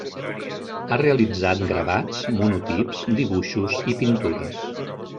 Ha realitzat gravats, monotips, dibuixos i pintures.